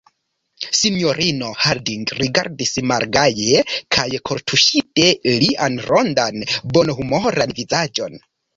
Sinjorino Harding rigardis malgaje kaj kortuŝite lian rondan, bonhumoran vizaĝon.